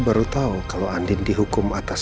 baru tahu kalau andin dihukum atas